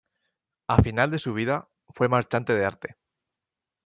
A final de su vida fue marchante de arte.